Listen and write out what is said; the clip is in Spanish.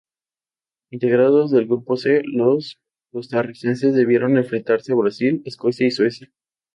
Integrando el Grupo C, los costarricenses debieron enfrentarse a Brasil, Escocia y Suecia.